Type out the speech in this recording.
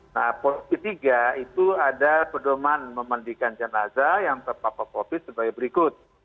nah poti tiga itu ada pedoman memandikan jenazah yang terpapar covid sembilan belas sebagai berikut